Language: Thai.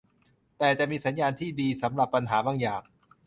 แต่จะมีสัญญาณที่ดีสำหรับปัญหาบางอย่าง